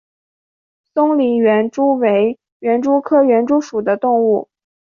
松林园蛛为园蛛科园蛛属的动物。